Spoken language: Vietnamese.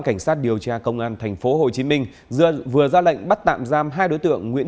cảnh sát điều tra công an thành phố hồ chí minh dân vừa ra lệnh bắt tạm giam hai đối tượng nguyễn